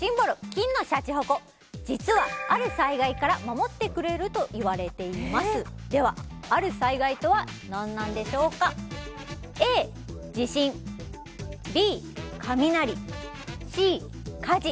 金のシャチホコ実はある災害から守ってくれるといわれていますではある災害とは何なんでしょうかＡ地震Ｂ雷Ｃ火事